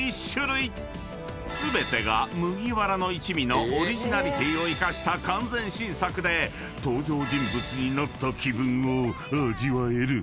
［全てが麦わらの一味のオリジナリティーを生かした完全新作で登場人物になった気分を味わえる］